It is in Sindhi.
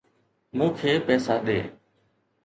مون کي پئسا ڏي.